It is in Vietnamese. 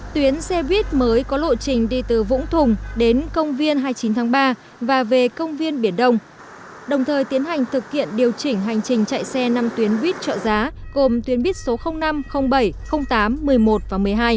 tuyến xe buýt mới có lộ trình đi từ vũng thùng đến công viên hai mươi chín tháng ba và về công viên biển đông đồng thời tiến hành thực hiện điều chỉnh hành trình chạy xe năm tuyến buýt trợ giá gồm tuyến buýt số năm bảy tám một mươi một và một mươi hai